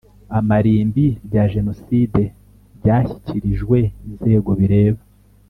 amarimbi bya Jenoside Byashyikirijwe inzego bireba